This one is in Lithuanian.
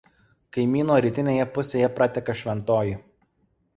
Kaimo rytinėje pusėje prateka Šventoji.